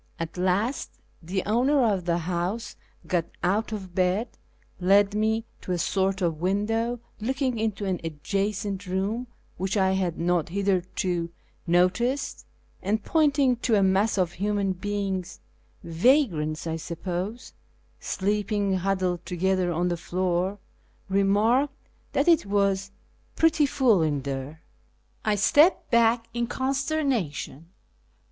At last the owner of the house got out of bed, led me to a sort of window looking into an adjacent room which I had not hitherto noticed, and, pointing to a mass of human beings (vagrants, I suppose) sleeping huddled together on the floor, remarked that it was " pretty full in there." ^l FROM KIRMAN to ENGLAND 579 I stepped back in consternation.